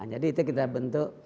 jadi itu kita bentuk